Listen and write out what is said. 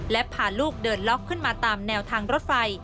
และพาลูกเดินล็อกขึ้นมาตามแนวทางรถไฟ